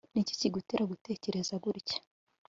ni iki kigutera gutekereza gutya